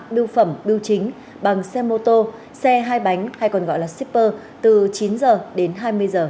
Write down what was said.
bưu phẩm bưu chính bằng xe mô tô xe hai bánh hay còn gọi là shipper từ chín h đến hai mươi h